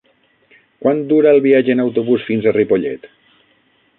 Quant dura el viatge en autobús fins a Ripollet?